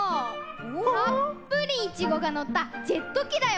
たっぷりイチゴがのったジェットきだよ。